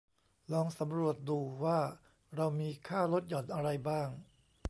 ลองสำรวจดูว่าเรามีค่าลดหย่อนอะไรบ้าง